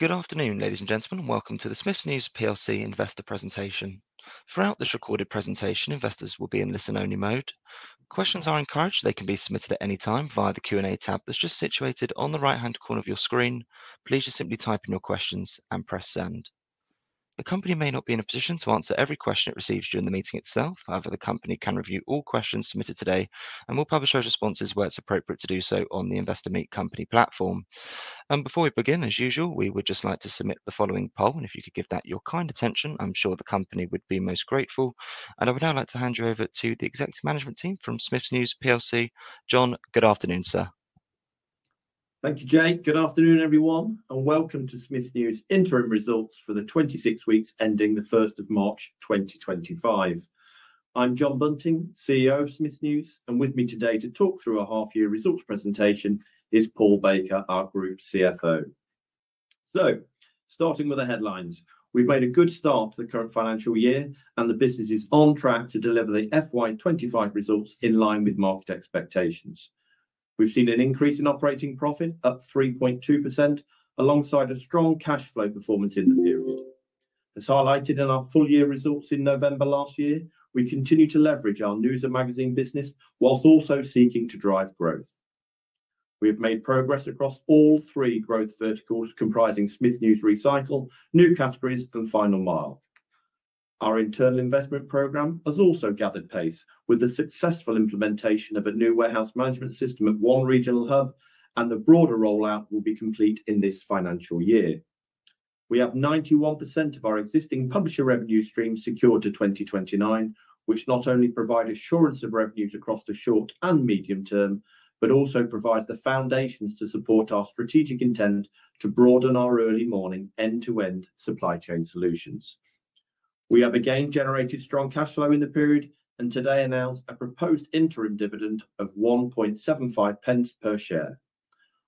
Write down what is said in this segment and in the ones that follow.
Good afternoon, ladies and gentlemen, and welcome to the Smiths News investor presentation. Throughout this recorded presentation, investors will be in listen-only mode. Questions are encouraged; they can be submitted at any time via the Q&A tab that's just situated on the right-hand corner of your screen. Please just simply type in your questions and press send. The company may not be in a position to answer every question it receives during the meeting itself. However, the company can review all questions submitted today and will publish those responses where it's appropriate to do so on the Investor Meet Company platform. Before we begin, as usual, we would just like to submit the following poll, and if you could give that your kind attention, I'm sure the company would be most grateful. I would now like to hand you over to the Executive Management Team from Smiths News. Jon, good afternoon, sir. Thank you, Jake. Good afternoon, everyone, and welcome to Smiths News Interim Results for the 26 weeks ending 1 March 2025. I'm Jon Bunting, CEO of Smiths News, and with me today to talk through our half-year results presentation is Paul Baker, our Group CFO. Starting with the headlines, we've made a good start to the current financial year, and the business is on track to deliver the FY25 results in line with market expectations. We've seen an increase in operating profit, up 3.2%, alongside a strong cash flow performance in the period. As highlighted in our full-year results in November last year, we continue to leverage our news and magazine business whilst also seeking to drive growth. We have made progress across all three growth verticals comprising Smiths News Recycle, New Categories, and Final Mile. Our internal investment program has also gathered pace with the successful implementation of a new warehouse management system at one regional hub, and the broader rollout will be complete in this financial year. We have 91% of our existing publisher revenue streams secured to 2029, which not only provide assurance of revenues across the short and medium term but also provides the foundations to support our strategic intent to broaden our early morning end-to-end supply chain solutions. We have again generated strong cash flow in the period and today announced a proposed interim dividend of 1.75 per share.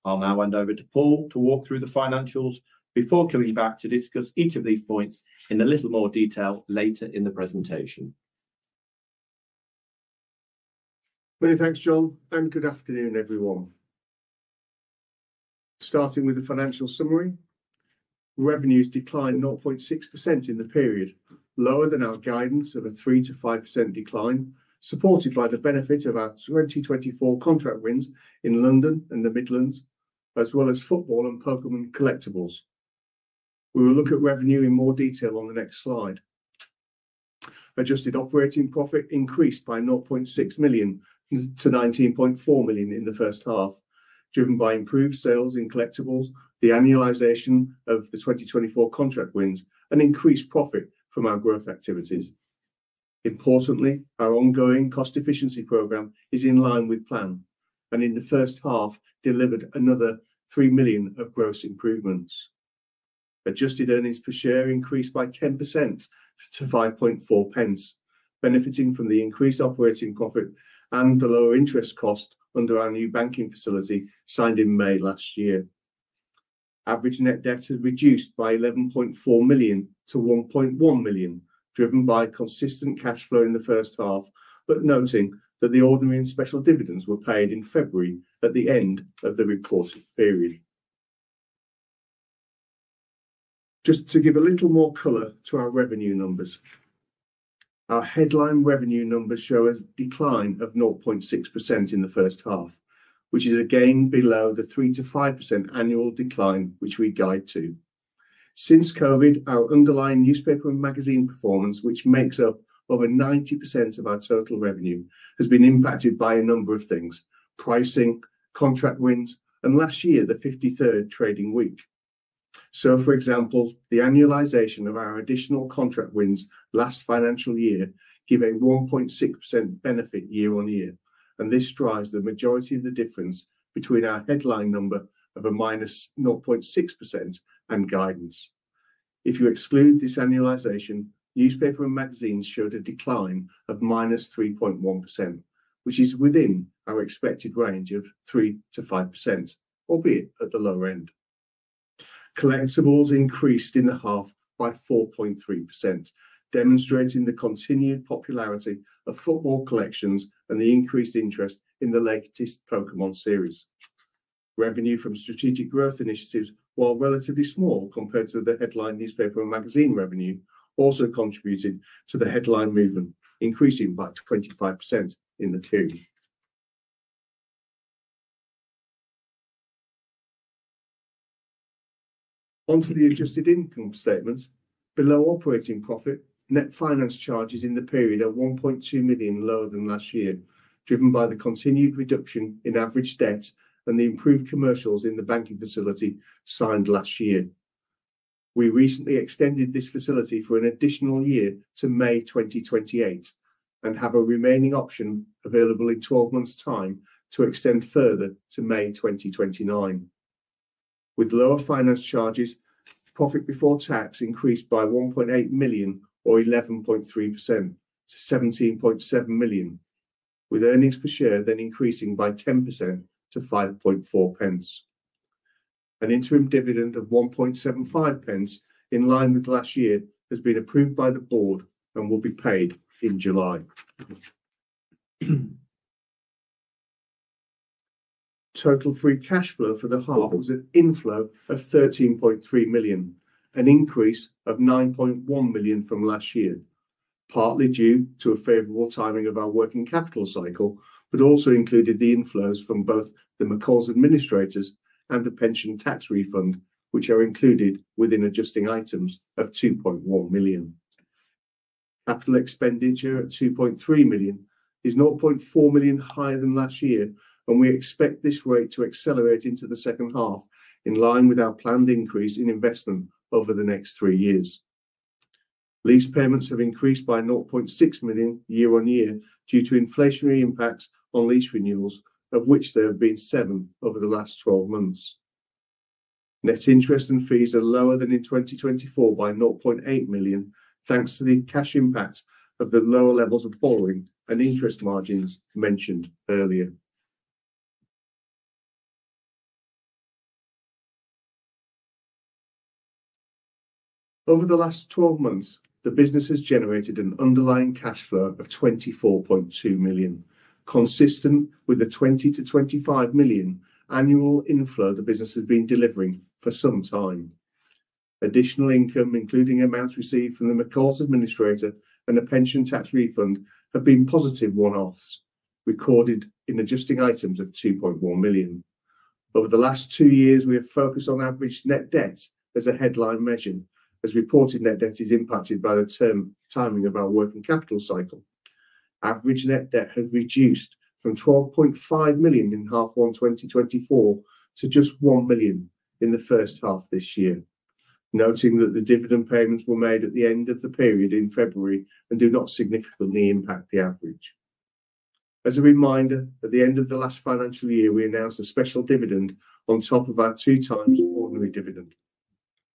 I'll now hand over to Paul to walk through the financials before coming back to discuss each of these points in a little more detail later in the presentation. Many thanks, Jon, and good afternoon, everyone. Starting with the financial summary, revenues declined 0.6% in the period, lower than our guidance of a 3-5% decline, supported by the benefit of our 2024 contract wins in London and the Midlands, as well as football and Pokémon collectibles. We will look at revenue in more detail on the next slide. Adjusted operating profit increased by 0.6 million to 19.4 million in the first half, driven by improved sales in collectibles, the annualization of the 2024 contract wins, and increased profit from our growth activities. Importantly, our ongoing cost efficiency program is in line with plan and in the first half delivered another 3 million of gross improvements. Adjusted earnings per share increased by 10% to 5.4 pence, benefiting from the increased operating profit and the lower interest cost under our new banking facility signed in May last year. Average net debt has reduced by 11.4 million to 1.1 million, driven by consistent cash flow in the first half, but noting that the ordinary and special dividends were paid in February at the end of the reported period. Just to give a little more color to our revenue numbers, our headline revenue numbers show a decline of 0.6% in the first half, which is again below the 3-5% annual decline which we guide to. Since COVID, our underlying newspaper and magazine performance, which makes up over 90% of our total revenue, has been impacted by a number of things: pricing, contract wins, and last year, the 53rd trading week. For example, the annualization of our additional contract wins last financial year gave a 1.6% benefit year on year, and this drives the majority of the difference between our headline number of a minus 0.6% and guidance. If you exclude this annualization, newspapers and magazines showed a decline of -3.1%, which is within our expected range of 3-5%, albeit at the lower end. Collectibles increased in the half by 4.3%, demonstrating the continued popularity of football collections and the increased interest in the latest Pokémon series. Revenue from strategic growth initiatives, while relatively small compared to the headline newspapers and magazines revenue, also contributed to the headline movement, increasing by 25% in the period. Onto the adjusted income statement. Below operating profit, net finance charges in the period are 1.2 million lower than last year, driven by the continued reduction in average debt and the improved commercials in the banking facility signed last year. We recently extended this facility for an additional year to May 2028 and have a remaining option available in 12 months' time to extend further to May 2029. With lower finance charges, profit before tax increased by 1.8 million, or 11.3%, to 17.7 million, with earnings per share then increasing by 10% to 5.4 pence. An interim dividend of 1.75 pence, in line with last year, has been approved by the board and will be paid in July. Total free cash flow for the half was an inflow of 13.3 million, an increase of 9.1 million from last year, partly due to a favorable timing of our working capital cycle, but also included the inflows from both the McCall's administrators and the pension tax refund, which are included within adjusting items of 2.1 million. Capital expenditure at 2.3 million is 0.4 million higher than last year, and we expect this rate to accelerate into the second half, in line with our planned increase in investment over the next three years. Lease payments have increased by 0.6 million year on year due to inflationary impacts on lease renewals, of which there have been seven over the last 12 months. Net interest and fees are lower than in 2024 by 0.8 million, thanks to the cash impact of the lower levels of borrowing and interest margins mentioned earlier. Over the last 12 months, the business has generated an underlying cash flow of 24.2 million, consistent with the 20-25 million annual inflow the business has been delivering for some time. Additional income, including amounts received from the McCall's administrator and a pension tax refund, have been positive one-offs, recorded in adjusting items of 2.1 million. Over the last two years, we have focused on average net debt as a headline measure, as reported net debt is impacted by the term timing of our working capital cycle. Average net debt has reduced from 12.5 million in half one 2024 to just 1 million in the first half this year, noting that the dividend payments were made at the end of the period in February and do not significantly impact the average. As a reminder, at the end of the last financial year, we announced a special dividend on top of our two times ordinary dividend.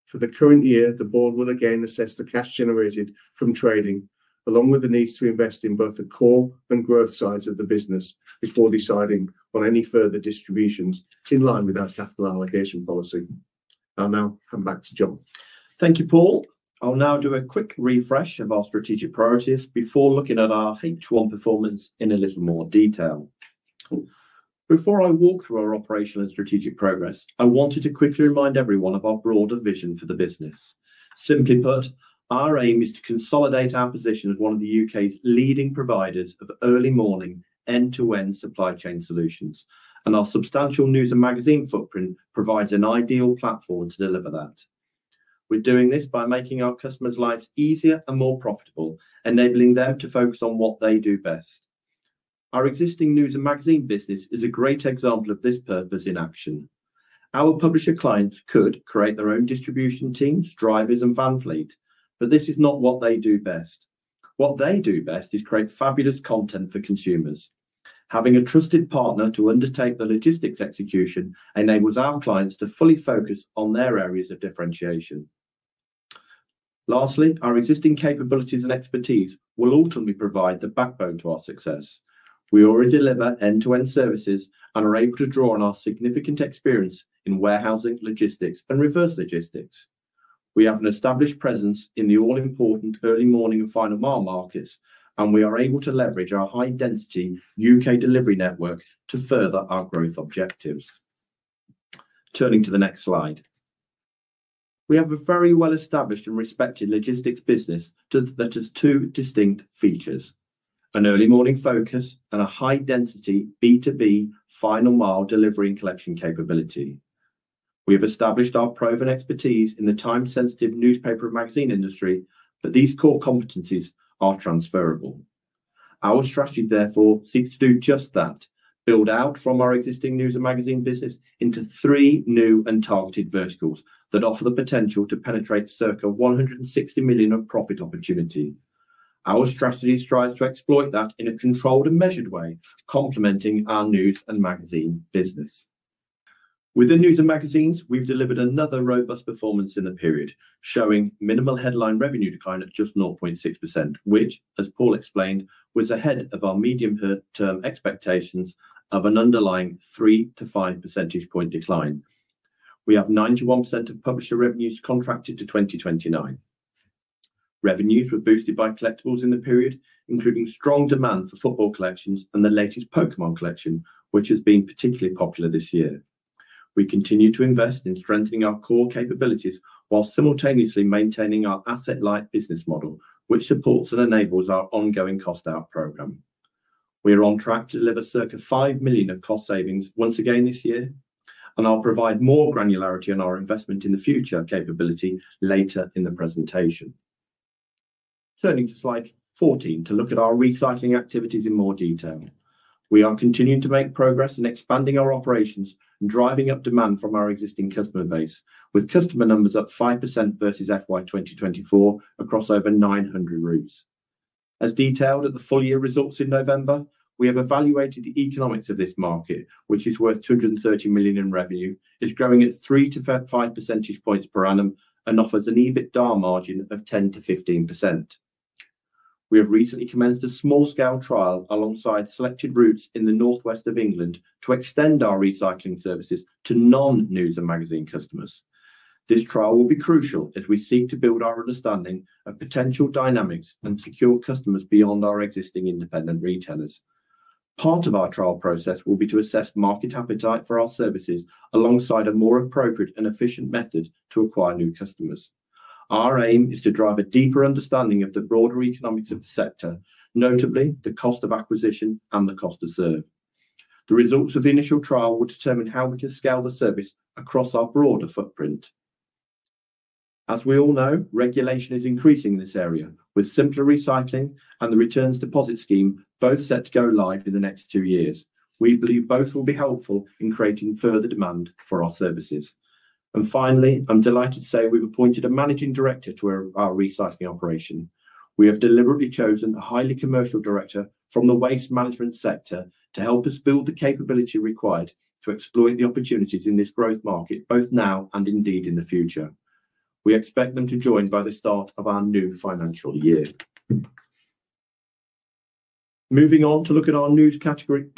For the current year, the board will again assess the cash generated from trading, along with the needs to invest in both the core and growth sides of the business before deciding on any further distributions in line with our capital allocation policy. I'll now come back to Jon. Thank you, Paul. I'll now do a quick refresh of our strategic priorities before looking at our H1 performance in a little more detail. Before I walk through our operational and strategic progress, I wanted to quickly remind everyone of our broader vision for the business. Simply put, our aim is to consolidate our position as one of the U.K.'s leading providers of early morning end-to-end supply chain solutions, and our substantial news and magazine footprint provides an ideal platform to deliver that. We're doing this by making our customers' lives easier and more profitable, enabling them to focus on what they do best. Our existing news and magazine business is a great example of this purpose in action. Our publisher clients could create their own distribution teams, drivers, and van fleet, but this is not what they do best. What they do best is create fabulous content for consumers. Having a trusted partner to undertake the logistics execution enables our clients to fully focus on their areas of differentiation. Lastly, our existing capabilities and expertise will ultimately provide the backbone to our success. We already deliver end-to-end services and are able to draw on our significant experience in warehousing, logistics, and reverse logistics. We have an established presence in the all-important early morning and final mile markets, and we are able to leverage our high-density U.K. delivery network to further our growth objectives. Turning to the next slide, we have a very well-established and respected logistics business that has two distinct features: an early morning focus and a high-density B2B final mile delivery and collection capability. We have established our proven expertise in the time-sensitive newspapers and magazines industry, but these core competencies are transferable. Our strategy, therefore, seeks to do just that: build out from our existing news and magazine business into three new and targeted verticals that offer the potential to penetrate circa 160 million of profit opportunity. Our strategy strives to exploit that in a controlled and measured way, complementing our news and magazine business. With the news and magazines, we've delivered another robust performance in the period, showing minimal headline revenue decline at just 0.6%, which, as Paul explained, was ahead of our medium-term expectations of an underlying 3-5 percentage point decline. We have 91% of publisher revenues contracted to 2029. Revenues were boosted by collectibles in the period, including strong demand for football collections and the latest Pokémon collection, which has been particularly popular this year. We continue to invest in strengthening our core capabilities while simultaneously maintaining our asset-light business model, which supports and enables our ongoing cost-out program. We are on track to deliver circa 5 million of cost savings once again this year, and I'll provide more granularity on our investment in the future capability later in the presentation. Turning to slide 14 to look at our recycling activities in more detail, we are continuing to make progress in expanding our operations and driving up demand from our existing customer base, with customer numbers up 5% versus FY 2024 across over 900 routes. As detailed at the full-year results in November, we have evaluated the economics of this market, which is worth 230 million in revenue, is growing at 3-5 percentage points per annum, and offers an EBITDA margin of 10-15%. We have recently commenced a small-scale trial alongside selected routes in the Northwest of England to extend our recycling services to non-news and magazine customers. This trial will be crucial as we seek to build our understanding of potential dynamics and secure customers beyond our existing independent retailers. Part of our trial process will be to assess market appetite for our services alongside a more appropriate and efficient method to acquire new customers. Our aim is to drive a deeper understanding of the broader economics of the sector, notably the cost of acquisition and the cost to serve. The results of the initial trial will determine how we can scale the service across our broader footprint. As we all know, regulation is increasing in this area, with simpler recycling and the returns deposit scheme both set to go live in the next two years. We believe both will be helpful in creating further demand for our services. Finally, I'm delighted to say we've appointed a Managing Director to our recycling operation. We have deliberately chosen a highly commercial director from the waste management sector to help us build the capability required to exploit the opportunities in this growth market, both now and indeed in the future. We expect them to join by the start of our new financial year. Moving on to look at our news category.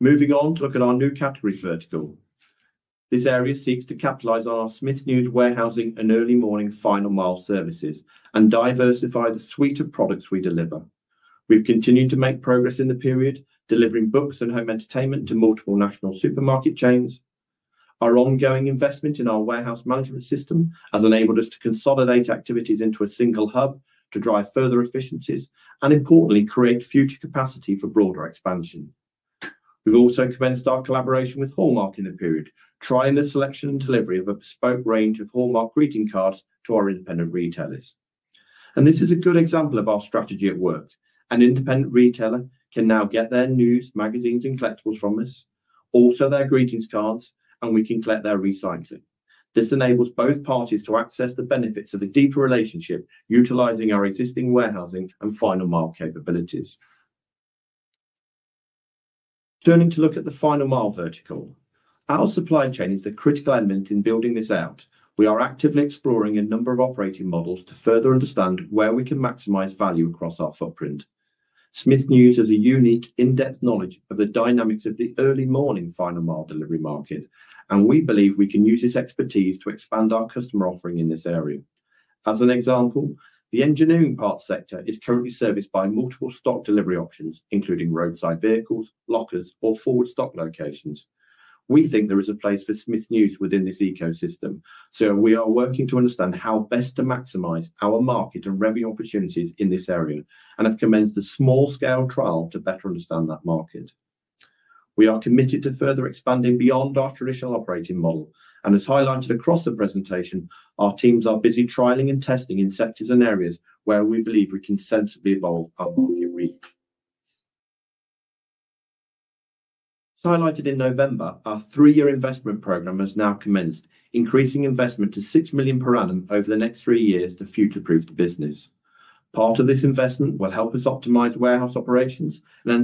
Moving on to look at our new category vertical. This area seeks to capitalize on our Smiths News warehousing and early morning final mile services and diversify the suite of products we deliver. We've continued to make progress in the period, delivering books and home entertainment to multiple national supermarket chains. Our ongoing investment in our warehouse management system has enabled us to consolidate activities into a single hub to drive further efficiencies and, importantly, create future capacity for broader expansion. We've also commenced our collaboration with Hallmark in the period, trying the selection and delivery of a bespoke range of Hallmark greeting cards to our independent retailers. This is a good example of our strategy at work. An independent retailer can now get their news, magazines, and collectibles from us, also their greeting cards, and we can collect their recycling. This enables both parties to access the benefits of a deeper relationship, utilizing our existing warehousing and final mile capabilities. Turning to look at the final mile vertical. Our supply chain is the critical element in building this out. We are actively exploring a number of operating models to further understand where we can maximize value across our footprint. Smiths News has a unique in-depth knowledge of the dynamics of the early morning final mile delivery market, and we believe we can use this expertise to expand our customer offering in this area. As an example, the engineering parts sector is currently serviced by multiple stock delivery options, including roadside vehicles, lockers, or forward stock locations. We think there is a place for Smiths News within this ecosystem, so we are working to understand how best to maximize our market and revenue opportunities in this area and have commenced a small-scale trial to better understand that market. We are committed to further expanding beyond our traditional operating model, and as highlighted across the presentation, our teams are busy trialing and testing in sectors and areas where we believe we can sensibly evolve our market reach. As highlighted in November, our three-year investment program has now commenced, increasing investment to 6 million per annum over the next three years to future-proof the business. Part of this investment will help us optimize warehouse operations and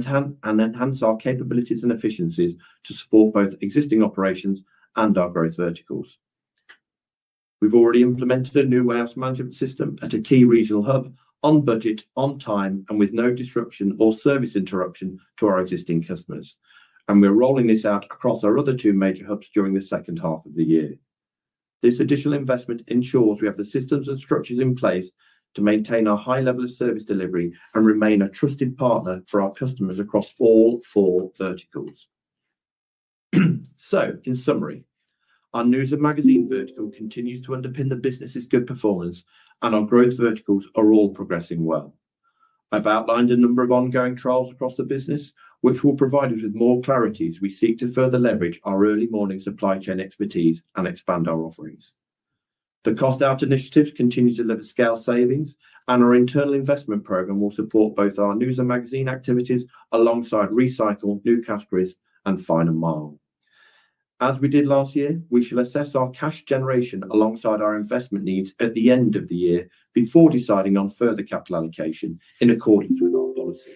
enhance our capabilities and efficiencies to support both existing operations and our growth verticals. We've already implemented a new warehouse management system at a key regional hub, on budget, on time, and with no disruption or service interruption to our existing customers, and we're rolling this out across our other two major hubs during the second half of the year. This additional investment ensures we have the systems and structures in place to maintain our high level of service delivery and remain a trusted partner for our customers across all four verticals. In summary, our news and magazine vertical continues to underpin the business's good performance, and our growth verticals are all progressing well. I've outlined a number of ongoing trials across the business, which will provide us with more clarity as we seek to further leverage our early-morning supply chain expertise and expand our offerings. The cost-out initiatives continue to deliver scale savings, and our internal investment program will support both our news and magazine activities alongside recycle, new categories, and final mile. As we did last year, we shall assess our cash generation alongside our investment needs at the end of the year before deciding on further capital allocation in accordance with our policy.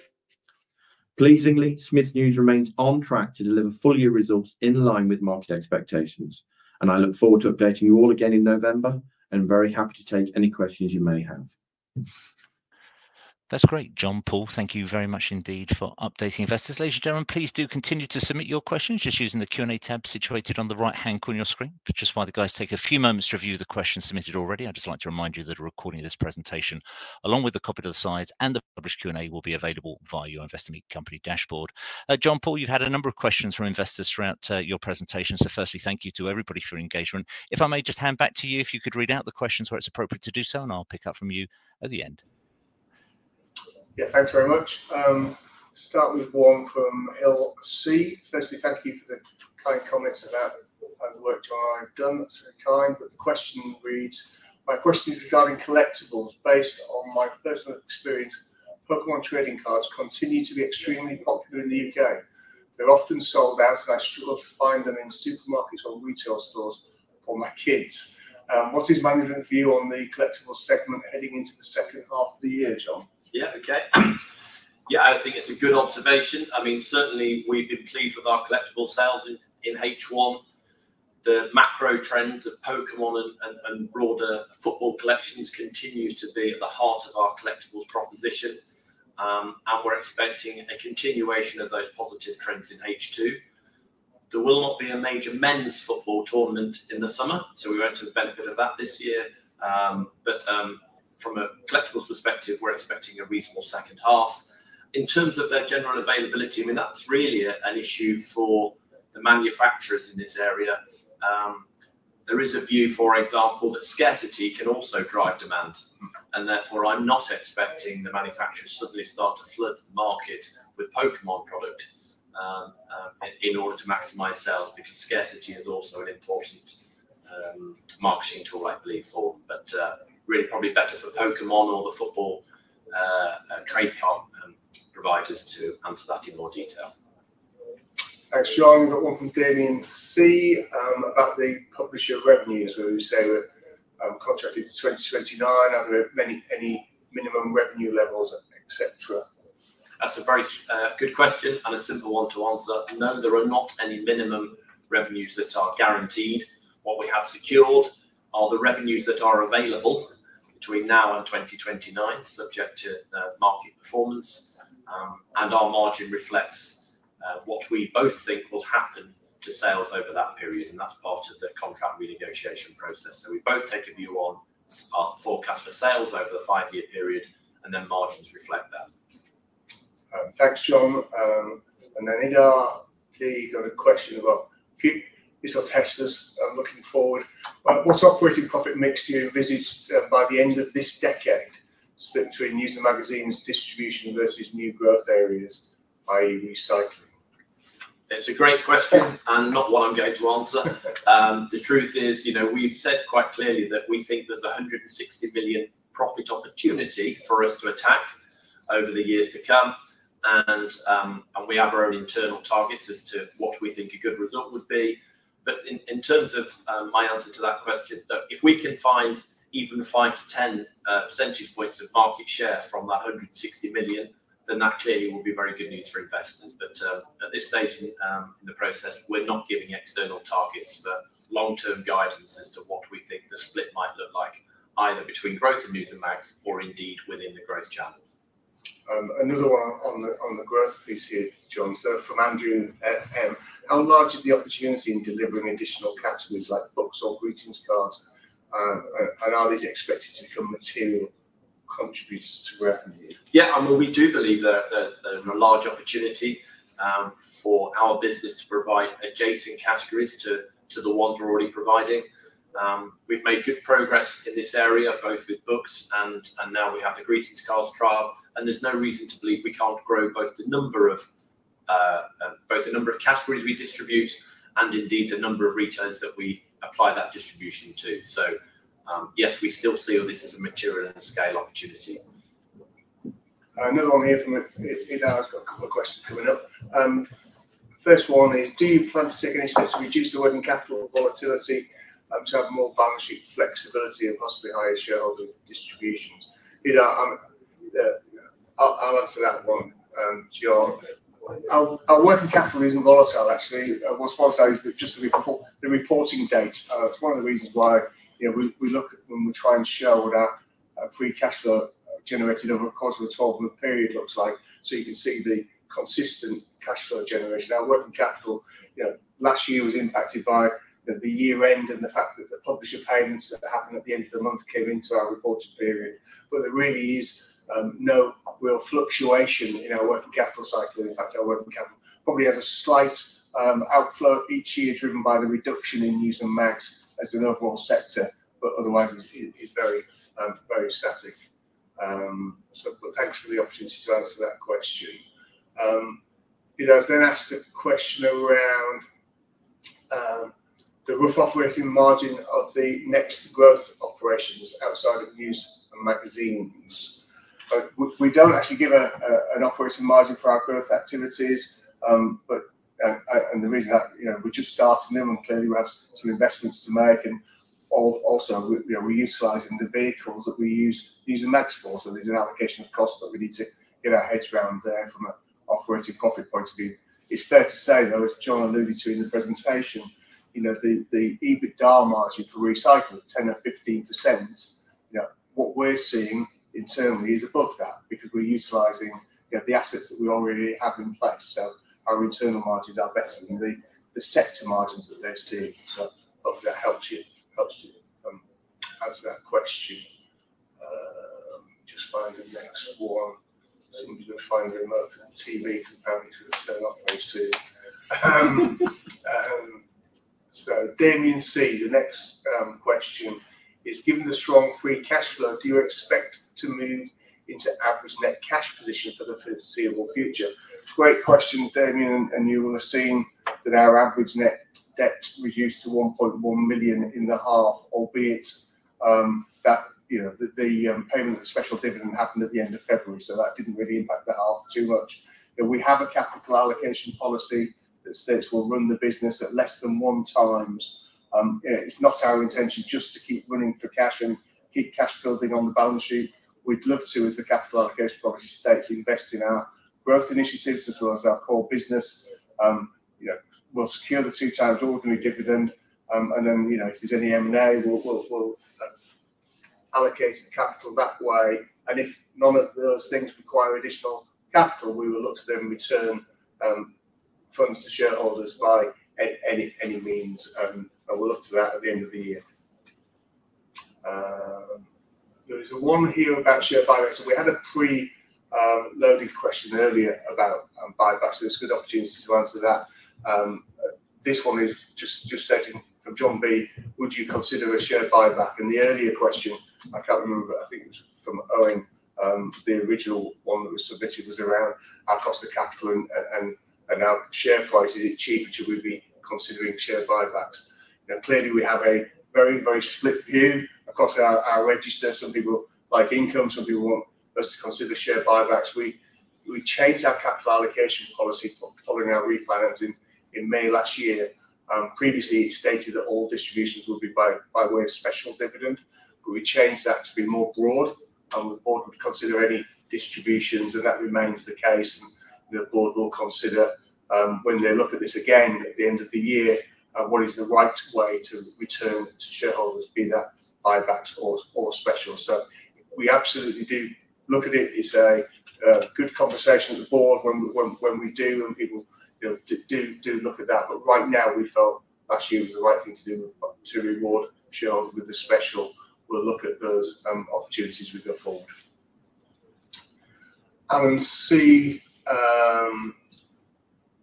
Pleasingly, Smiths News remains on track to deliver full-year results in line with market expectations, and I look forward to updating you all again in November and very happy to take any questions you may have. That's great, Jon, Paul, thank you very much indeed for updating investors. Ladies and gentlemen, please do continue to submit your questions just using the Q&A tab situated on the right-hand corner of your screen. Just while the guys take a few moments to review the questions submitted already, I'd just like to remind you that a recording of this presentation, along with the copy to the slides and the published Q&A, will be available via your Investor Meet Company dashboard. Jon, Paul, you've had a number of questions from investors throughout your presentation, so firstly, thank you to everybody for your engagement. If I may just hand back to you, if you could read out the questions where it's appropriate to do so, and I'll pick up from you at the end. Yeah, thanks very much. Start with one from LC. Firstly, thank you for the kind comments about what I've worked on and I've done. That's very kind, but the question reads, "My question is regarding collectibles. Based on my personal experience, Pokémon trading cards continue to be extremely popular in the U.K. They're often sold out, and I struggle to find them in supermarkets or retail stores for my kids. What is Management's view on the collectible segment heading into the second half of the year, Jon? Yeah, okay. Yeah, I think it's a good observation. I mean, certainly, we've been pleased with our collectible sales in H1. The macro trends of Pokémon and broader football collections continue to be at the heart of our collectibles proposition, and we're expecting a continuation of those positive trends in H2. There will not be a major men's football tournament in the summer, so we won't have the benefit of that this year, but from a collectibles perspective, we're expecting a reasonable second half. In terms of their general availability, I mean, that's really an issue for the manufacturers in this area. There is a view, for example, that scarcity can also drive demand, and therefore, I'm not expecting the manufacturers to suddenly start to flood the market with Pokémon products in order to maximize sales because scarcity is also an important marketing tool, I believe, for, but really probably better for Pokémon or the football trade comp providers to answer that in more detail. Thanks, Jon. We've got one from Damian Eales about the publisher revenues. When we say we're contracted to 2029, are there any minimum revenue levels, etc.? That's a very good question and a simple one to answer. No, there are not any minimum revenues that are guaranteed. What we have secured are the revenues that are available between now and 2029, subject to market performance, and our margin reflects what we both think will happen to sales over that period, and that's part of the contract renegotiation process. We both take a view on our forecast for sales over the five-year period, and then margins reflect that. Thanks, Jon. Anita P got a question about this or Testers looking forward. What operating profit mix do you envisage by the end of this decade split between news and magazines distribution versus new growth areas, i.e., recycling? It's a great question and not one I'm going to answer. The truth is, you know, we've said quite clearly that we think there's a 160 million profit opportunity for us to attack over the years to come, and we have our own internal targets as to what we think a good result would be. In terms of my answer to that question, if we can find even 5-10 percentage points of market share from that 160 million, then that clearly will be very good news for investors. At this stage in the process, we're not giving external targets for long-term guidance as to what we think the split might look like, either between growth and news and mags or indeed within the growth channels. Another one on the growth piece here, Jon, so from Andrew F. How large is the opportunity in delivering additional categories like books or greeting cards, and are these expected to become material contributors to revenue? Yeah, I mean, we do believe there's a large opportunity for our business to provide adjacent categories to the ones we're already providing. We've made good progress in this area, both with books and now we have the greeting cards trial, and there's no reason to believe we can't grow both the number of categories we distribute and indeed the number of retailers that we apply that distribution to. Yes, we still see this as a material and scale opportunity. Another one here from Idar has got a couple of questions coming up. First one is, do you plan to take any steps to reduce the working capital volatility to have more balance sheet flexibility and possibly higher shareholder distributions? I'll answer that one, Jon. Our working capital isn't volatile, actually. What's volatile is just the reporting date. It's one of the reasons why we look when we try and show what our free cash flow generated over a quarter or a 12-month period looks like, so you can see the consistent cash flow generation. Our working capital, last year was impacted by the year-end and the fact that the publisher payments that happened at the end of the month came into our reporting period, but there really is no real fluctuation in our working capital cycle. In fact, our working capital probably has a slight outflow each year driven by the reduction in news and mags as an overall sector, but otherwise is very static. Thanks for the opportunity to answer that question. I was then asked a question around the rough operating margin of the next growth operations outside of news and magazines. We do not actually give an operating margin for our growth activities, and the reason is that we are just starting them and clearly we have some investments to make, and also we are utilizing the vehicles that we use news and mags for, so there is an allocation of costs that we need to get our heads around there from an operating profit point of view. It's fair to say, though, as Jon alluded to in the presentation, the EBITDA margin for recycling, 10-15%, what we're seeing internally is above that because we're utilizing the assets that we already have in place, so our internal margins are better than the sector margins that they're seeing. I hope that helps you answer that question. Just find the next one. Seems to be finding a TV companion to return off very soon. Damian C, the next question is, given the strong free cash flow, do you expect to move into average net cash position for the foreseeable future? Great question, Damian, and you will have seen that our average net debt reduced to 1.1 million in the half, albeit that the payment of the special dividend happened at the end of February, so that didn't really impact the half too much. We have a capital allocation policy that states we'll run the business at less than one times. It's not our intention just to keep running for cash and keep cash building on the balance sheet. We'd love to, as the capital allocation policy states, invest in our growth initiatives as well as our core business. We'll secure the two times ordinary dividend, and then if there's any M&A, we'll allocate capital that way, and if none of those things require additional capital, we will look to then return funds to shareholders by any means, and we'll look to that at the end of the year. There is one here about share buybacks. We had a pre-loaded question earlier about buybacks, so it's a good opportunity to answer that. This one is just stating from Jon B, would you consider a share buyback? The earlier question, I can't remember, but I think it was from Owen, the original one that was submitted was around how cost of capital and our share price, is it cheaper to be considering share buybacks? Clearly, we have a very, very split view across our register. Some people like income, some people want us to consider share buybacks. We changed our capital allocation policy following our refinancing in May last year. Previously, it stated that all distributions would be by way of special dividend, but we changed that to be more broad, and the board would consider any distributions, and that remains the case, and the board will consider when they look at this again at the end of the year what is the right way to return to shareholders, be that buybacks or specials. We absolutely do look at it. It's a good conversation with the board when we do, and people do look at that, but right now, we felt last year was the right thing to do to reward shareholders with the special. We'll look at those opportunities as we go forward. Alan C,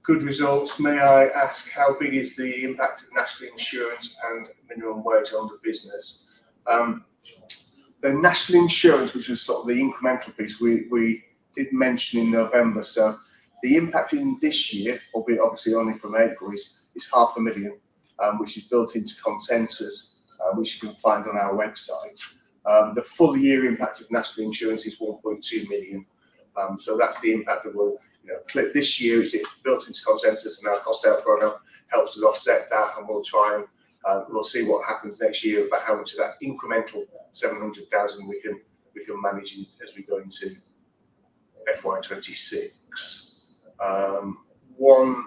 good results. May I ask how big is the impact of National Insurance and minimum wage on the business? The National Insurance, which was sort of the incremental piece we did mention in November, so the impact in this year, albeit obviously only from April, is 500,000, which is built into consensus, which you can find on our website. The full-year impact of National Insurance is 1.2 million, so that's the impact that we'll clip this year. It's built into consensus, and our cost output helps us offset that, and we'll try and we'll see what happens next year about how much of that incremental 700,000 we can manage as we go into FY2026. One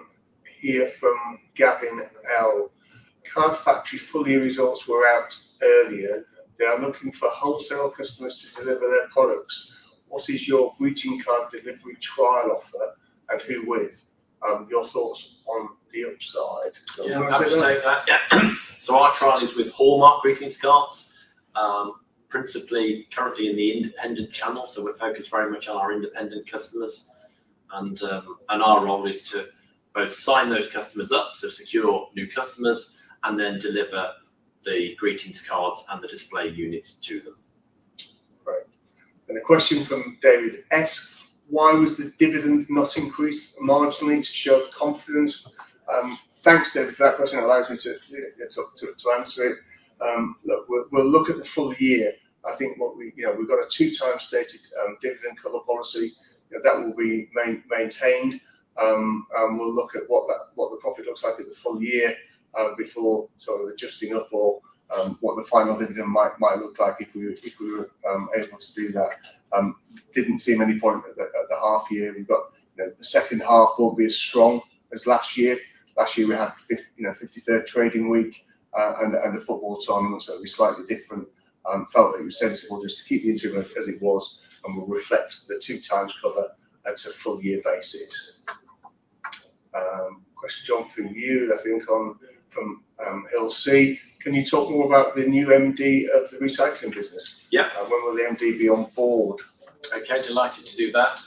here from Gavin L. Card Factory full-year results were out earlier. They are looking for wholesale customers to deliver their products. What is your greeting card delivery trial offer and who with? Your thoughts on the upside. Yeah, so our trial is with Hallmark greeting cards, principally currently in the independent channel, so we focus very much on our independent customers, and our role is to both sign those customers up, so secure new customers, and then deliver the greeting cards and the display units to them. Great. A question from David S. Why was the dividend not increased marginally to show confidence? Thanks, David, for that question. It allows me to answer it. Look, we'll look at the full year. I think we've got a two-time stated dividend cover policy. That will be maintained, and we'll look at what the profit looks like at the full year before sort of adjusting up or what the final dividend might look like if we were able to do that. Did not see many points at the half year. The second half will not be as strong as last year. Last year, we had a 53rd trading week and a football tournament, so it will be slightly different. Felt that it was sensible just to keep the interim as it was, and we'll reflect the two times cover at a full-year basis. Question, Jon, from you, I think, from Hill C. Can you talk more about the new MD of the recycling business? Yeah. When will the MD be on board? Okay, delighted to do that.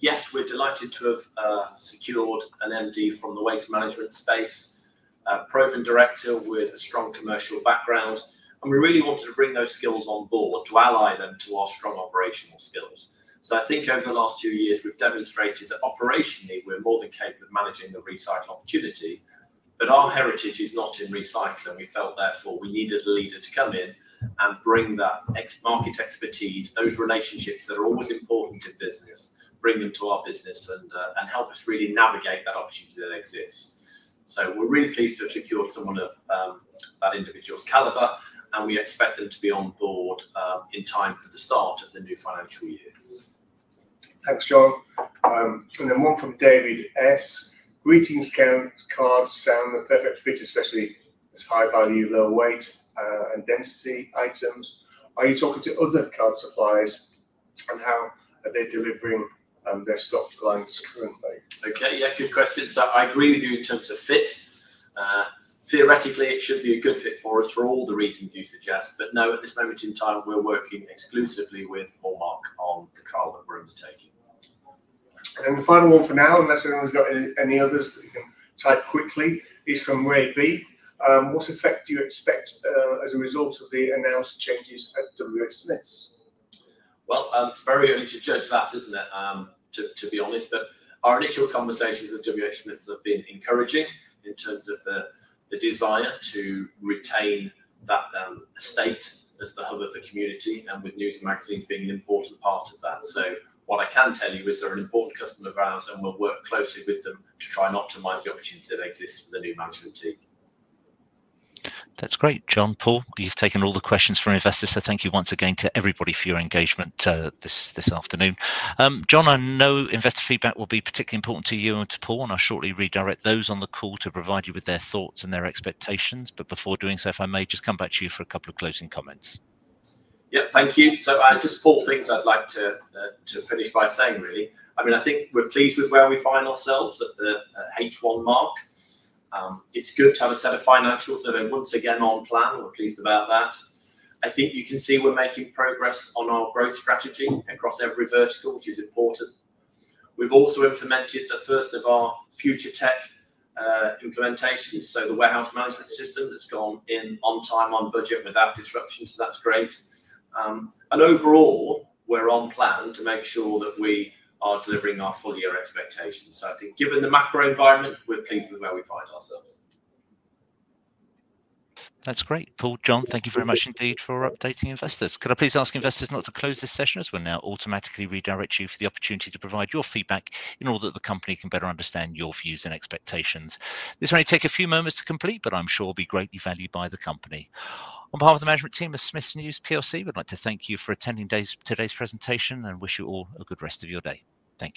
Yes, we're delighted to have secured an MD from the waste management space, a proven director with a strong commercial background, and we really wanted to bring those skills on board to ally them to our strong operational skills. I think over the last two years, we've demonstrated that operationally, we're more than capable of managing the recycling opportunity, but our heritage is not in recycling. We felt therefore we needed a leader to come in and bring that market expertise, those relationships that are always important to business, bring them to our business and help us really navigate that opportunity that exists. We're really pleased to have secured someone of that individual's caliber, and we expect them to be on board in time for the start of the new financial year. Thanks, Jon. One from David S. Greeting cards sound the perfect fit, especially as high value, low weight, and density items. Are you talking to other card suppliers and how are they delivering their stock lines currently? Okay, yeah, good question. I agree with you in terms of fit. Theoretically, it should be a good fit for us for all the reasons you suggest, but no, at this moment in time, we're working exclusively with Hallmark on the trial that we're undertaking. Then the final one for now, unless anyone's got any others that you can type quickly, is from Ray B. What effect do you expect as a result of the announced changes at WH Smiths? It is very early to judge that, isn't it, to be honest, but our initial conversations with WH Smiths have been encouraging in terms of the desire to retain that estate as the hub of the community and with news and magazines being an important part of that. What I can tell you is they're an important customer of ours, and we'll work closely with them to try and optimize the opportunity that exists for the new management team. That's great, Jon Paul. You've taken all the questions from investors, so thank you once again to everybody for your engagement this afternoon. Jon, I know investor feedback will be particularly important to you and to Paul, and I'll shortly redirect those on the call to provide you with their thoughts and their expectations. Before doing so, if I may just come back to you for a couple of closing comments. Yeah, thank you. Just four things I'd like to finish by saying, really. I mean, I think we're pleased with where we find ourselves at the H1 mark. It's good to have a set of financials that are once again on plan. We're pleased about that. I think you can see we're making progress on our growth strategy across every vertical, which is important. We've also implemented the first of our future tech implementations, so the warehouse management system that's gone in on time, on budget, and without disruption, so that's great. Overall, we're on plan to make sure that we are delivering our full-year expectations. I think given the macro environment, we're pleased with where we find ourselves. That's great. Paul, Jon, thank you very much indeed for updating investors. Could I please ask investors not to close this session as we'll now automatically redirect you for the opportunity to provide your feedback in order that the company can better understand your views and expectations? This may take a few moments to complete, but I'm sure it'll be greatly valued by the company. On behalf of the management team at Smiths News, we'd like to thank you for attending today's presentation and wish you all a good rest of your day. Thank you.